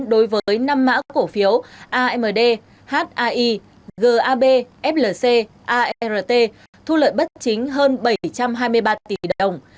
đối với năm mã cổ phiếu amd hai gab flc art thu lợi bất chính hơn bảy trăm hai mươi ba tỷ đồng